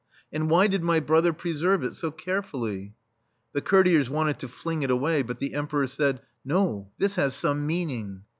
and why did my brother preserve it so carefully ?" The courtiers wanted to fling it away, but the Emperor said: "No, this has some meaning."